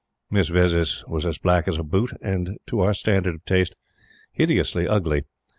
Miss Vezzis was as black as a boot, and to our standard of taste, hideously ugly.